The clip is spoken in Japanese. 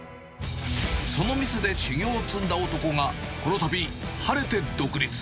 その店で修業を積んだ男が、このたび、晴れて独立。